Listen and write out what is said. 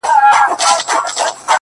ځوان خپل څادر پر سر کړ؛